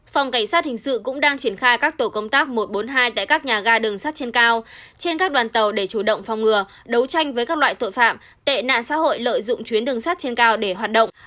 phòng cảnh sát hình sự cũng đang triển khai các tổ công tác một trăm bốn mươi hai tại các nhà ga đường sắt trên cao trên các đoàn tàu để chủ động phòng ngừa đấu tranh với các loại tội phạm tệ nạn xã hội lợi dụng chuyến đường sắt trên cao để hoạt động